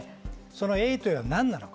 Ａというのは何なのか。